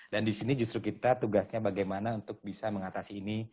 dan disini justru kita tugasnya bagaimana untuk bisa mengatasi ini